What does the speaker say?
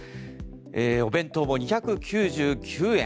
お弁当も２９９円